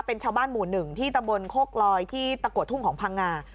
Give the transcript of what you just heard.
เป็นชาวบ้านหมู่๑ที่ตำบลโคกลอยที่ตะกัวทุ่งของพังงา